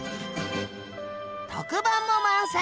特番も満載！